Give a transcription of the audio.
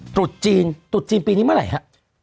ตรุษจีนตรุษจีนปีนี้เมื่อไหร่ฮะ